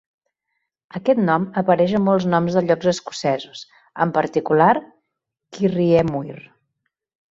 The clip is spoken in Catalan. Aquest nom apareix a molts noms de llocs escocesos, en particular Kirriemuir.